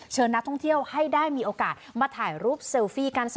นักท่องเที่ยวให้ได้มีโอกาสมาถ่ายรูปเซลฟี่กัน